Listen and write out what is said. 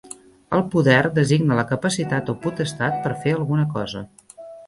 El poder designa la capacitat o potestat per fer alguna cosa